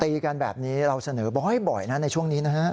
กันแบบนี้เราเสนอบ่อยนะในช่วงนี้นะฮะ